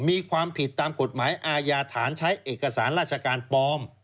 มีความผิดตามกฎหมายอาญาฐานใช้เอกสารราชการปลอม